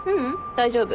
大丈夫。